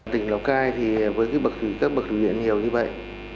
tỉnh lào cai thì với các bậc thủy điện nhiều như vậy